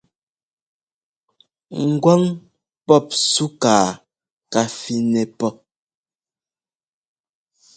Ŋgwáŋ pɔp súkaa ká fínɛ́ pɔ́.